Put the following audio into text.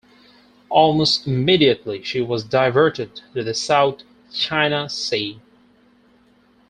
Almost immediately she was diverted to the South China Sea.